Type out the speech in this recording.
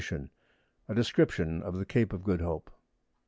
[Sidenote: _A Description of the Cape of Good Hope.